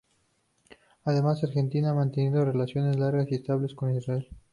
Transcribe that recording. Además, Argentina ha mantenido relaciones largas y estables con Israel.